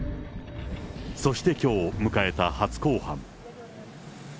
そしてきょう迎えた初公判。